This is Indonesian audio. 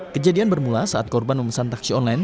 kejadian bermula saat korban memesan taksi online